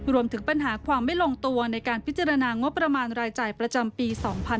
รวมถึงปัญหาความไม่ลงตัวในการพิจารณางบประมาณรายจ่ายประจำปี๒๕๕๙